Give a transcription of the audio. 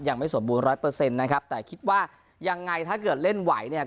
ยังไม่สมบูรร้อยเปอร์เซ็นต์นะครับแต่คิดว่ายังไงถ้าเกิดเล่นไหวเนี่ย